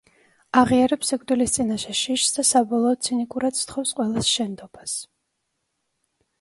აღიარებს სიკვდილის წინაშე შიშს და, საბოლოოდ, ცინიკურად სთხოვს ყველას შენდობას.